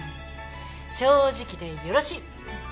正直でよろしい。